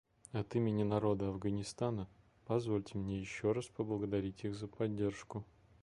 От имени народа Афганистана позвольте мне еще раз поблагодарить их за поддержку».